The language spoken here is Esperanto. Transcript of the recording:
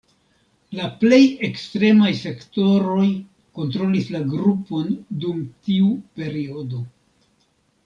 La plej ekstremaj sektoroj kontrolis la grupon dum tiu periodo.